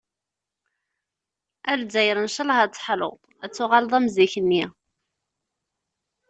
"A Lzzayer ncalleh ad teḥluḍ, ad tuɣaleḍ am zik-nni.